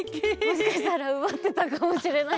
もしかしたらうばってたかもしれない。